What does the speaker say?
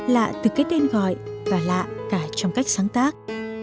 lạ từ cái tên gọi và lạ cả trong cách sáng tác